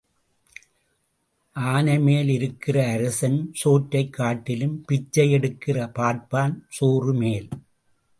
ஆனைமேல் இருக்கிற அரசன் சோற்றைக் காட்டிலும் பிச்சை எடுக்கிற பார்ப்பான் சோறு மேல்.